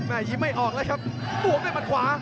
อ้าวยิ้มไม่ออกเลยครับตวมด้วยมันขวา